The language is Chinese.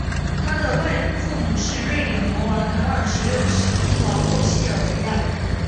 他的外祖父母是瑞典国王卡尔十六世及王后西尔维娅。